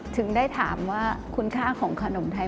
ถึงได้ถามว่าคุณค่าของขนมไทย